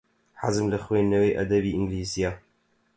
حەزم لە خوێندنەوەی ئەدەبی ئینگلیزییە.